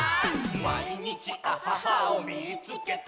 「まいにちアハハをみいつけた！」